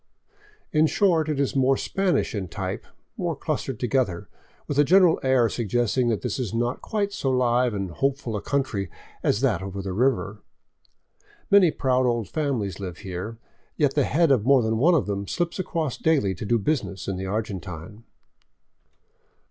In short, It Is more Spanish in type, more clustered together, with a general air suggesting that this is not quite so live and hopeful a country as that over the river. Many proud old families live here; yet the head of more than one of them slips across daily to do business in the Argentine.